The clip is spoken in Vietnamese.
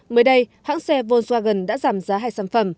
mới đây hãng xe volkswagen đã giảm giá hai trăm linh